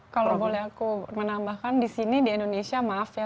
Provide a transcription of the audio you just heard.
kalau boleh aku menambahkan di sini di indonesia maaf ya